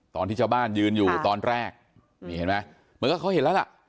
ตอนที่ชาวบ้านยืนอยู่ตอนแรกนี่เห็นไหมเหมือนกับเขาเห็นแล้วล่ะ